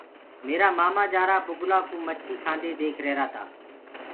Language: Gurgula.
ميرآ مآمآ جآرآ بُگلآ ڪوُ مڇيٚ کآندي ديک رهرآ تآ۔